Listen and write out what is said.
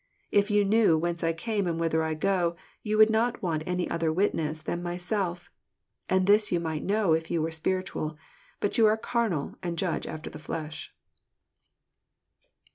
If you knew whence I came and whither I go, you would not want any other witness than myself. And this you might know if you were spiritual; but you are carnal, and judge after the flesh."